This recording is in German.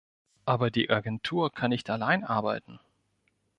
Aber die Agentur kann nicht allein arbeiten!